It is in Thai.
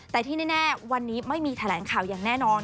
แต่ที่แน่วันนี้ไม่มีแถลงข่าวอย่างแน่นอน